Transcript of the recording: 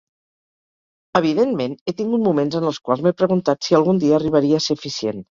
Evidentment he tingut moments en els quals m'he preguntat si algun dia arribaria a ser eficient.